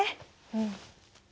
うん。